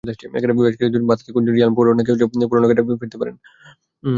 বেশ কিছুদিন ধরেই বাতাসে গুঞ্জন, রিয়াল ফরোয়ার্ড নাকি পুরোনো ঠিকানায় ফিরতে পারেন।